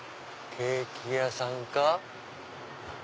ケーキ屋さん？